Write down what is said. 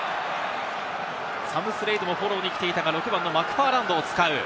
サム・スレイドもフォローに来ていたが、６番のマクファーランドを使う。